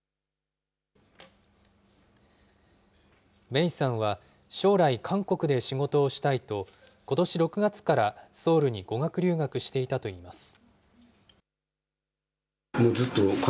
芽生さんは、将来、韓国で仕事をしたいと、ことし６月からソウルに語学留学していたといいます。